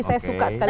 saya suka sekali